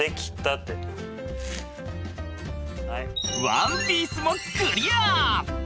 ワンピースもクリア！